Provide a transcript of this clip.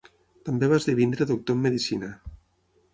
També va esdevenir doctor en medicina.